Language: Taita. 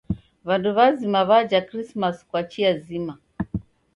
W'andu w'azima w'aja Krismasi kwa chia zima.